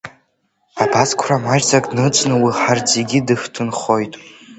Абас қәра маҷӡак ныҵны, уи ҳарҭ зегьы даҳҭынхоит.